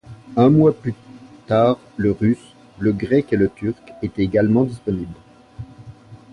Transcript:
Un mois plus tard, le russe, le grec et le turc étaient également disponibles.